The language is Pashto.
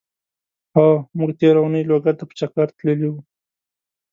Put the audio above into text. هو! مونږ تېره اونۍ لوګر ته په چګر تللی وو.